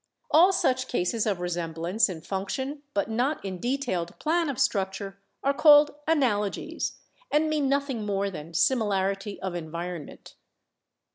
All such cases of resemblance in function but not in detailed plan of structure are called 'analogies,' and mean nothing more than similarity of environment.